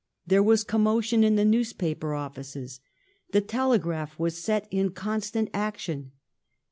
There was commotion in the newspaper offices. The telegraph was set in constant action.